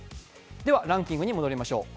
ではランキングに戻りましょう。